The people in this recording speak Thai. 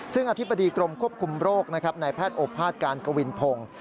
ซึ่งอธิบดีกรมควบคุมโรคนะครับนายแพทย์โอภาษย์การกวินพงศ์